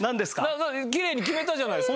きれいに決めたじゃないですか。